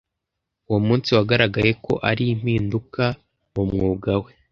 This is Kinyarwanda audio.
Uwo munsi wagaragaye ko ari impinduka mu mwuga we.